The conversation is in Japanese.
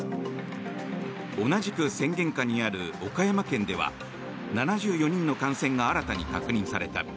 同じく宣言下にある岡山県では７４人の感染が新たに確認された。